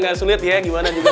gimana gak sulit ya gimana juga